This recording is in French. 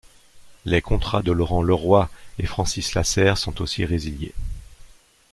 Les contrats de Laurent Leroy et Francis Llacer sont aussi résiliés.